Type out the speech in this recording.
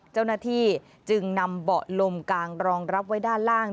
เจ้าหน้าที่จึงนำเบาะลมกางรองรับไว้ด้านล่าง